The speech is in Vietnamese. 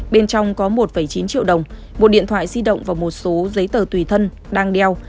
bên trong có một chín triệu đồng một điện thoại di động và một số giấy tờ tùy thân đang đeo